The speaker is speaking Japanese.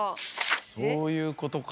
そういうことか。